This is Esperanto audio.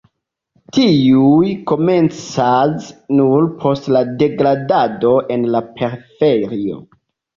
Tiuj komencas nur poste la degradado en la periferio.